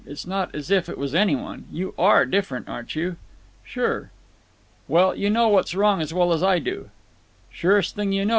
It's not as if it was any one. You are different, aren't you?" "Sure." "Well, you know what's wrong as well as I do." "Surest thing you know.